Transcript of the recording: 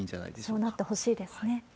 そうなってほしいですね。